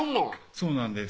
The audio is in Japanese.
そうなんです